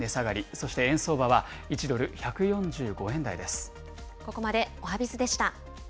そして円相場は、１ドル１４５円台です。